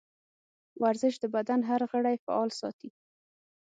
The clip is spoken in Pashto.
ورزش د بدن هر غړی فعال ساتي.